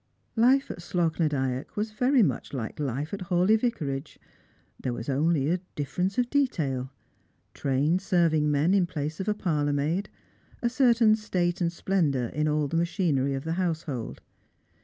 Life at Slogh na Dyack was vci y much like Ufe at Hawleigh Vicarage ; there was only a d'iff'erence of detail. Trained serving men in place of a parlour maid ; a certain state and splendour in all the machinery of the household.